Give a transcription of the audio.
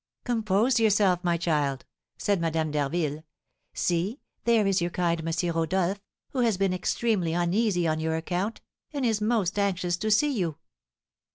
"Compose yourself, my child!" said Madame d'Harville. "See, there is your kind M. Rodolph, who has been extremely uneasy on your account, and is most anxious to see you."